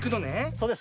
そうです。